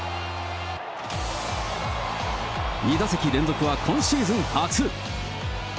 ２打席連続は今シーズン初。